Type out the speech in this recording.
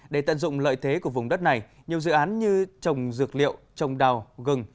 để tận dụng lợi thế của vùng đất này nhiều dự án như trồng dược liệu trồng đào gừng